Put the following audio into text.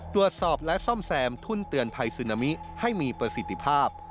ตรวจสอบและซ่อมแซมทุ่นเตือนภัยซึนามิให้มีประสิทธิภาพ